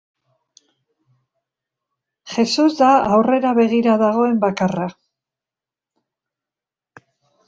Jesus da aurrera begira dagoen bakarra.